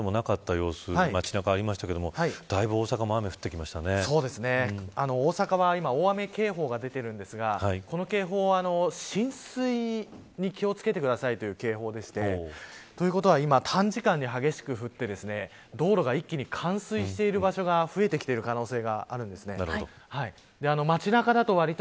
先ほども、まだ雨がそんなでもなかった街中もありましたがだいぶ大阪も大阪は今大雨警報が出ているんですがこの警報は浸水に気を付けてくださいという警報でしてということは今短時間で激しく降って道路が一気に冠水している場所が増えてきている可能性があるんですね。